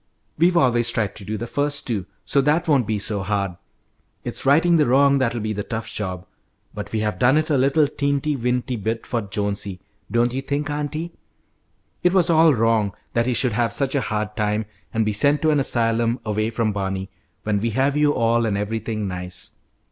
We've always tried to do the first two, so that won't be so hard. It's righting the wrong that will be the tough job, but we have done it a little teenty, weenty bit for Jonesy, don't you think, auntie? It was all wrong that he should have such a hard time and be sent to an asylum away from Barney, when we have you all and everything nice.